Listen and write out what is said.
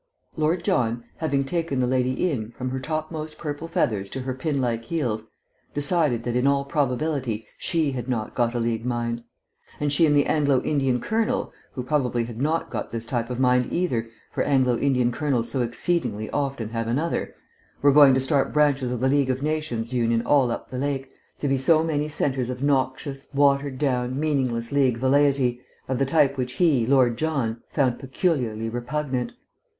Lord John, having taken the lady in, from her topmost purple feathers to her pin like heels, decided that, in all probability, she had not got a League mind. And she and the Anglo Indian colonel (who probably had not got this type of mind either, for Anglo Indian colonels so exceedingly often have another) were going to start branches of the League of Nations Union all up the lake, to be so many centres of noxious, watered down, meaningless League velleity, of the type which he, Lord John, found peculiarly repugnant.